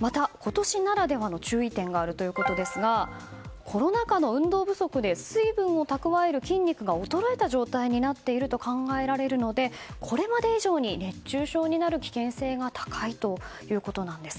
また、今年ならではの注意点があるということでコロナ禍の運動不足で水分を蓄える筋肉が衰えた状態になっていると考えられるのでこれまで以上に熱中症になる危険が高いということなんです。